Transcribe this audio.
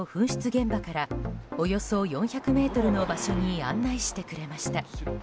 現場からおよそ４００ｍの場所に案内してくれました。